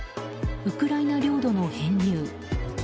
ウクライナ領土の編入。